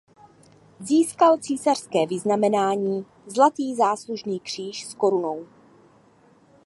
Získal císařské vyznamenání "zlatý Záslužný kříž s korunou".